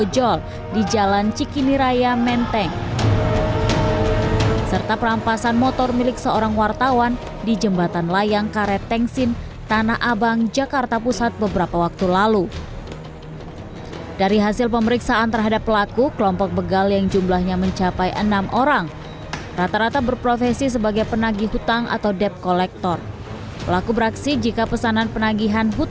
jangan lupa like share dan subscribe channel ini